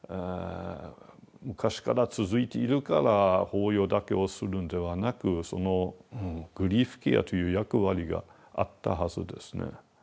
昔から続いているから法要だけをするんではなくそのグリーフケアという役割があったはずですね。